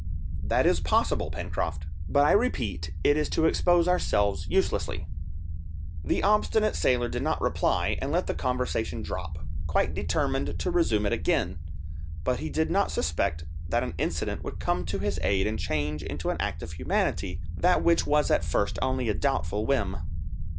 "That is possible, Pencroft; but I repeat it is to expose ourselves uselessly." The obstinate sailor did not reply, and let the conversation drop, quite determined to resume it again. But he did not suspect that an incident would come to his aid and change into an act of humanity that which was at first only a doubtful whim.